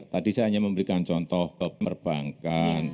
tadi saya hanya memberikan contoh ke perbankan